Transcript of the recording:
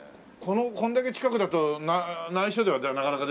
こんだけ近くだと内緒ではなかなかできないもんね。